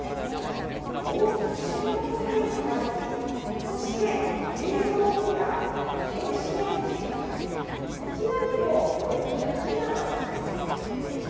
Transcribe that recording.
大きな収納スペースがあり、そして冷蔵庫や電子レンジ、こちらにもベッドが２段あります。